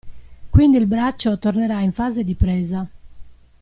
Quindi il braccio tornerà in fase di presa.